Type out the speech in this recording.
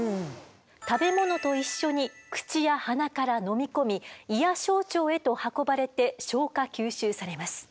食べ物と一緒に口や鼻から飲み込み胃や小腸へと運ばれて消化吸収されます。